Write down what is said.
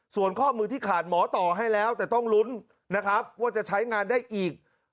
ส่วนข้อมือที่ขาดหมอต่อให้แล้วแต่ต้องลุ้นนะครับว่าจะใช้งานได้อีก